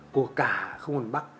của cả không quân bắc